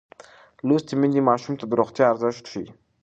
لوستې میندې ماشوم ته د روغتیا ارزښت ښيي.